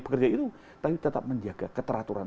bekerja itu tapi tetap menjaga keteraturan